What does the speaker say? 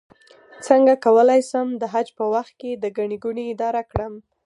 څنګه کولی شم د حج په وخت کې د ګڼې ګوڼې اداره کړم